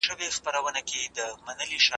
زه کولای سم موبایل کار کړم!.